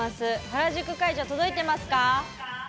原宿会場、届いてますか？